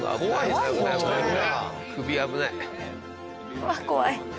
うわ怖い。